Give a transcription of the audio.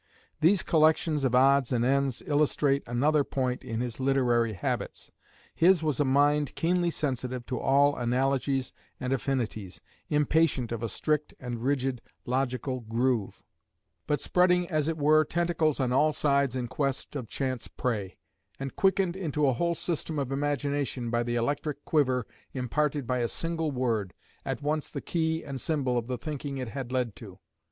These collections of odds and ends illustrate another point in his literary habits. His was a mind keenly sensitive to all analogies and affinities, impatient of a strict and rigid logical groove, but spreading as it were tentacles on all sides in quest of chance prey, and quickened into a whole system of imagination by the electric quiver imparted by a single word, at once the key and symbol of the thinking it had led to.